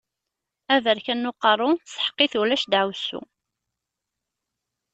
Aberkan n uqeṛṛu, sḥeq-it, ulac daɛwessu.